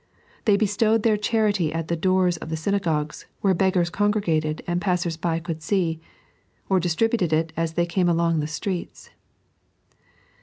They bestowed their charity at the doors of the synagogues, where beggars congregated and passers by could see ; or distributed it as they came along the streets.